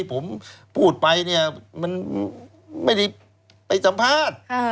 ที่ผมพูดไปมันไม่ได้ไปสัมภาษณ์